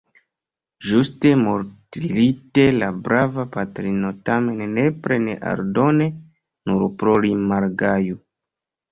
Ĝuste mortlite la brava patrino tamen nepre ne aldone nur pro li malgaju.